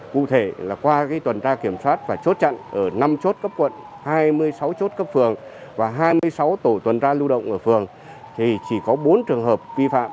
hai mươi sáu chốt cấp phường và hai mươi sáu tổ tuần tra lưu động ở phường thì chỉ có bốn trường hợp vi phạm